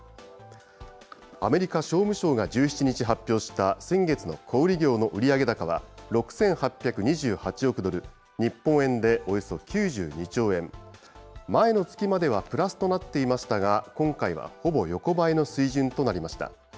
アメリカ商務省が１７日発表した先月の小売り業の売上高は６８２８億ドル、日本円でおよそ９２兆円、前の月まではプラスとなっていましたが、今回はほぼ横ばいの水準となりました。